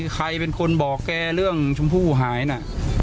ใครเป็นคนบอกแกเรื่องชมพู่หายนะ